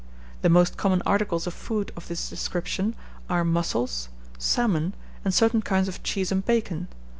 The most common articles of food of this description are Mussels, Salmon, and certain kinds of Cheese and Bacon.